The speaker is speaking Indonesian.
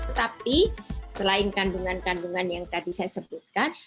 tetapi selain kandungan kandungan yang tadi saya sebutkan